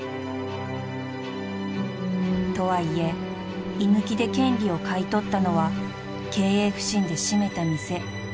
［とはいえ居抜きで権利を買い取ったのは経営不振で閉めた店］